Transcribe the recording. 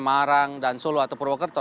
marang dan solo atau purwokerto